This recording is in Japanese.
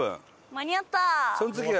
間に合った！